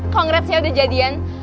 congrats ya udah jadian